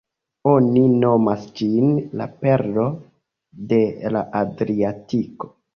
Oni nomas ĝin "la perlo de la Adriatiko".